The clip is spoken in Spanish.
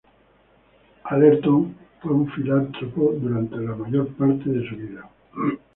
Allerton fue un filántropo durante la mayor parte de su vida.